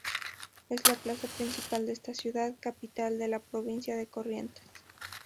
Es la plaza principal de esta ciudad, capital de la Provincia de Corrientes.